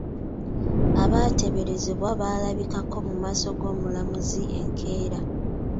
Abateeberezebwa balabikako mu maaso g'omulamuzi enkeera.